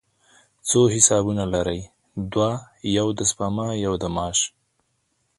څو حسابونه لرئ؟ دوه، یو د سپما، یو د معاش